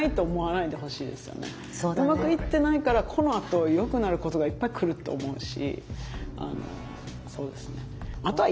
うまくいってないからこのあとよくなることがいっぱいくるって思うし。